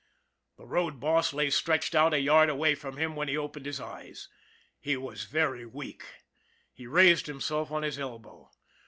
The road boss lay stretched out a yard away from him when he opened his eyes. He was very weak. He raised himself on his elbow.